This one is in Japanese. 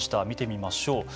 見てみましょう。